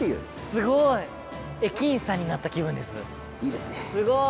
すごい！駅員さんになった気分です。